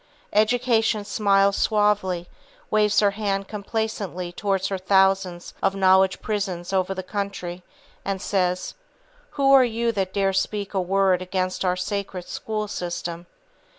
Education smiles suavely, waves her hand complacently toward her thousands of knowledge prisons over the country, and says: "Who are you that dares speak a word against our sacred, school system?"